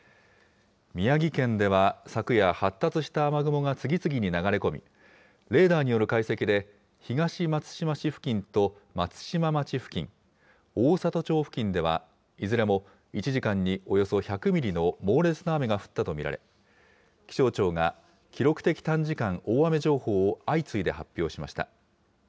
宮城県では、昨夜、発達した雨雲が次々に流れ込み、レーダーによる解析で、東松島市付近と松島町付近、大郷町付近では、いずれも１時間におよそ１００ミリの猛烈な雨が降ったと見られ、気象庁が記録的短時間大雨情報を相次いで発表しました。